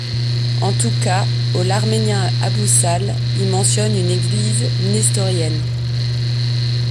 En tout cas au l'Arménien Abousahl y mentionne une église nestorienne.